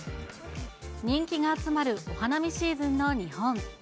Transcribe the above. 人気が集まるお花見シーズンの日本。